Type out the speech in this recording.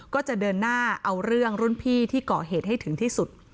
ก็จะเดินหน้าเอาเรื่องรุ่นพี่ที่ก่อเหตุให้ถึงที่สุด